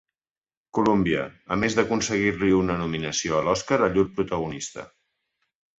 Colúmbia, a més d'aconseguir-li una nominació a l'Oscar a llur protagonista.